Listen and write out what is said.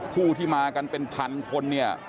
ผู้ที่มากันเป็นพันคนเนี่ย